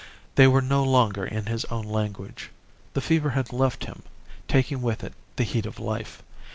They were no longer in his own language. The fever had left him, taking with it the heat of life.